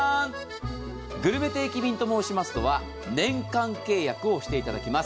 グルメ定期便と申しますのは年間契約をしていただきます。